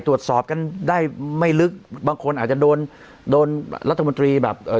ตรวจสอบกันได้ไม่ลึกบางคนอาจจะโดนโดนรัฐมนตรีแบบเอ่อ